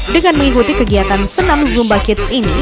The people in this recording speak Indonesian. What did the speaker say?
dengan mengikuti kegiatan senam zumba kids ini